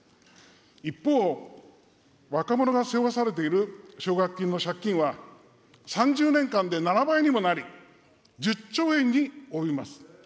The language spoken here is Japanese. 一方、若者が背負わされている奨学金の借金は、３０年間で７倍にもなり、１０兆円に及びます。